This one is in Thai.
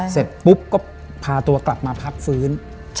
เสร็จปุ๊บก็พาตัวกลับมาพักฟื้น